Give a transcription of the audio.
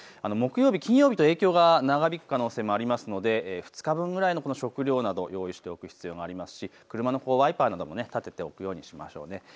木曜日、金曜日と影響が長引く可能性もあるので２日分の食料などを用意しておく必要がありますし車のワイパーなども立てておくようにしましょう。